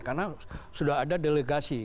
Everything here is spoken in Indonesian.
karena sudah ada delegasi